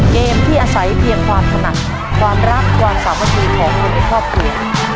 เกมที่อาศัยเพียงความถนัดความรักความสามัคคีของคนในครอบครัว